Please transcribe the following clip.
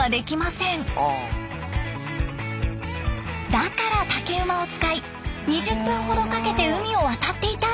だから竹馬を使い２０分ほどかけて海を渡っていたんだそうです。